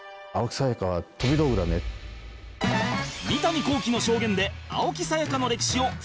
今夜は三谷幸喜の証言で青木さやかの歴史を深掘り！